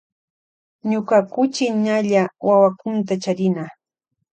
Ñuña kuchi ñalla wawakunta charina.